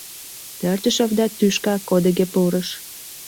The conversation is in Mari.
Пӧртыш овда тӱшка кодыге пурыш.